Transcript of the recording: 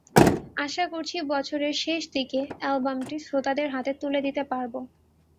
আশা করছি, বছরের শেষ দিকে অ্যালবামটি শ্রোতাদের হাতে তুলে দিতে পারব।